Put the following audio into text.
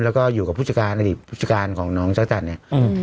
แล้วก็อยู่กับผู้จัดการอดีตผู้จัดการของน้องเจ้าจันทร์เนี่ยอืม